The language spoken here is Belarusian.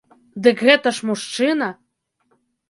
Дык гэта ж мужчына!